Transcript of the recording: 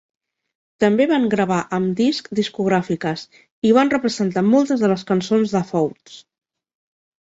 També van gravar amb disc discogràfiques i van representar moltes de les cançons de Fouts.